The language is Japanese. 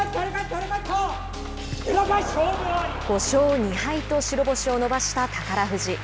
５勝２敗と白星を伸ばした宝富士。